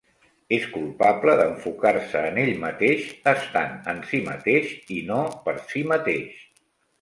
És culpable d'enfocar-se en ell mateix estant en sí mateix i no per sí mateix.